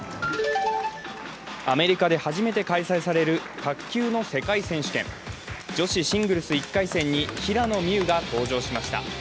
アメリカで初めて開催される卓球の世界選手権女子シングルス１回戦に平野美宇が登場しました。